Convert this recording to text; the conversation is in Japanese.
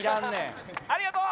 ありがとう。